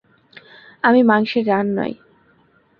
আমি মাংসের রান নয়।